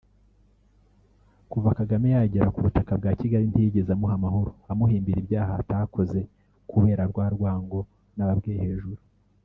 Kuva Kagame yagera ku butaka bwa Kigali ntiyigeze amuha amahoro amuhimbira ibyaha atakoze kubera rwa rwango nababwiye hejuru